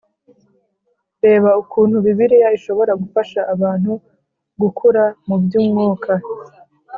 Reba ukuntu Bibiliya ishobora gufasha abantu gukura muby’umwuka